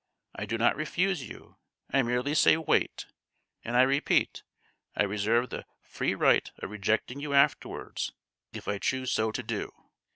I do not refuse you; I merely say—wait! And I repeat, I reserve the free right of rejecting you afterwards if I choose so to do.